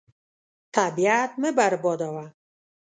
طبیعت مه بربادوه.